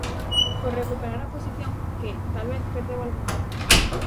Por recuperar a posición que, talvez, perdeu algunha vez.